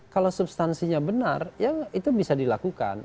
kalau substansinya benar ya itu bisa dilakukan